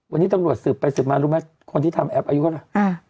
วันนี้ตำรวจสืบไปสืบมารู้ไหมคนที่ทำแอปอายุเท่าไหร่